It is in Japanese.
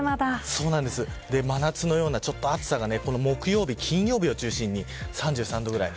真夏のような暑さが木曜日、金曜日を中心に３３度ぐらい。